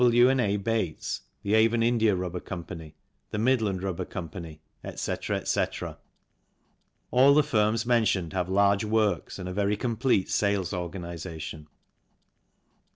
W. and A. Bates, the Avon India Rubber Co., the Midland Rubber Co., etc., etc. All the firms mentioned have large works and a very complete sales organization.